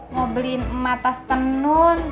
mau beliin emak tas tenun